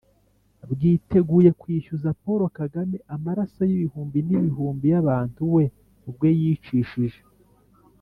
bwiteguye kwishyuza paul kagame amaraso y'ibihumbi n'ibihumbi y'abantu we ubwe yicishije